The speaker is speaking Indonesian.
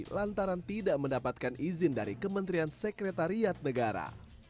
lantaran tidak mendapatkan izin dari kementerian sekretariat negara